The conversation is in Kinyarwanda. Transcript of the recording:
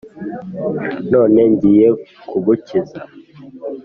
none ngiye kugukiza,